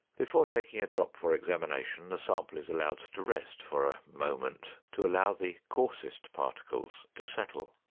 Before taking a drop for examination, the sample is allowed to rest for a "moment" to allow the "coarsest particles" to settle.